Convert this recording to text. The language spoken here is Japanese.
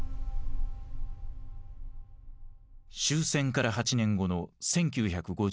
終戦から８年後の１９５３年。